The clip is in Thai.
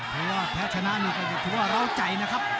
แล้วแพ้ชนะนี่ก็จะถือว่าร้าวใจนะครับ